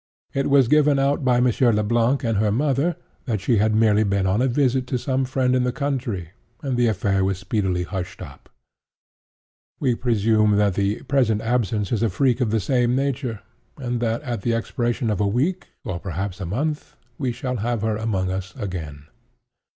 It was given out by Monsieur Le Blanc and her mother, that she had merely been on a visit to some friend in the country; and the affair was speedily hushed up. We presume that the present absence is a freak of the same nature, and that, at the expiration of a week, or perhaps of a month, we shall have her among us again."